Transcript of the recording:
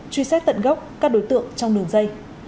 truy xét tận gốc các đối tượng trong đường dây